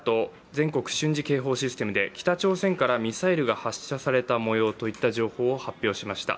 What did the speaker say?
全国瞬時警報システムで北朝鮮からミサイルが発射された模様といった情報が発表されました。